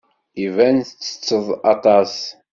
Iban ttetteḍ aṭas.